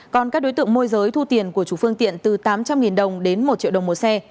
còn các đối tượng môi giới thu tiền của chủ phương tiện từ tám trăm linh đồng đến một triệu đồng một xe